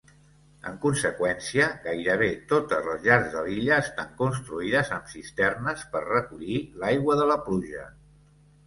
En conseqüència, gairebé totes les llars de l'illa estan construïdes amb cisternes per recollir l'aigua de la pluja.